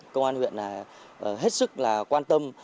công an huyện hết sức quan tâm